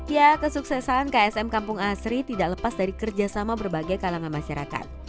ya kesuksesan ksm kampung asri tidak lepas dari kerjasama berbagai kalangan masyarakat